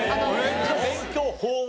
勉強法を？